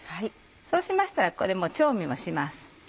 そうしましたらここでもう調味もします。